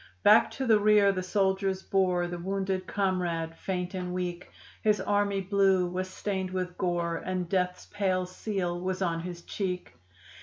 Back to the rear the soldiers bore The wounded comrade, faint and weak; His "army blue" was stained with gore, And death's pale seal was on his cheek.